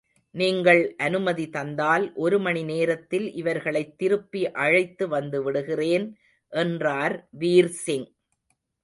நீங்கள் அனுமதி தந்தால் ஒரு மணி நேரத்தில் இவர்களைத் திருப்பி அழைத்து வந்துவிடுகிறேன் என்றார் வீர்சிங்.